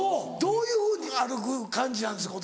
どういうふうに歩く感じなんですか？